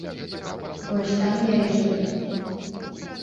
Вось там я і жыву.